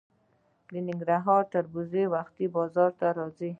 د ننګرهار تربوز وختي بازار ته راځي.